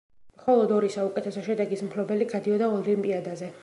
მხოლოდ ორი საუკეთესო შედეგის მფლობელი გადიოდა ოლიმპიადაზე.